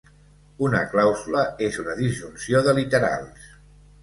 Una clàusula és una disjunció de literals.